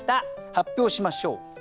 発表しましょう。